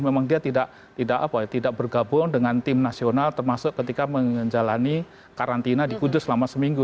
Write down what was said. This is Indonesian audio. memang dia tidak bergabung dengan tim nasional termasuk ketika menjalani karantina di kudus selama seminggu